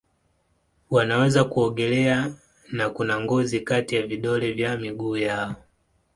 Wanaweza kuogelea na kuna ngozi kati ya vidole vya miguu yao.